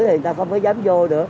thì người ta không có dám vô